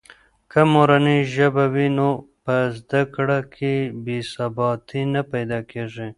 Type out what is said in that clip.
که مورنۍ ژبه وي نو په زده کړه کې بې ثباتي نه پیدا کېږي.